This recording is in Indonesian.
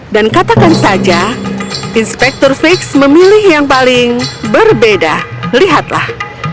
dan katakan saja inspektur figgs memilih yang paling berbeda lihatlah